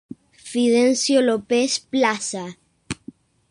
Fidencio Lopez Plaza.